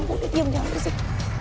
kita jangan bersik